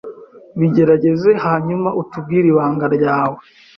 Bigerageze hanyuma utubwire ibanga ryawe